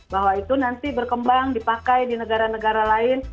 bahwa itu nanti berkembang dipakai di negara negara lain